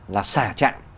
là xả chặn